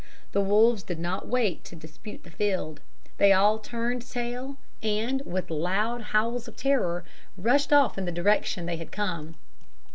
The wolves did not wait to dispute the field; they all turned tail and, with loud howls of terror, rushed off in the direction they had come.